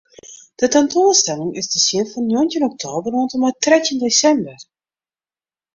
De tentoanstelling is te sjen fan njoggentjin oktober oant en mei trettjin desimber.